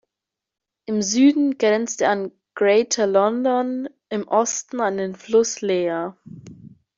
Im Süden grenzt er an Greater London, im Osten an den Fluss Lea.